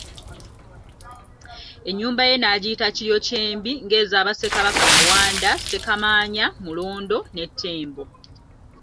Ennyumba ye n'agiyita Kiryokyembi ng'eza Bassekabaka Mawanda, Ssekamaanya, Mulondo ne Ttembo.